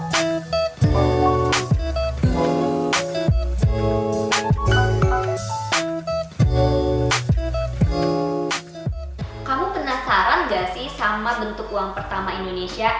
kamu penasaran gak sih sama bentuk uang pertama indonesia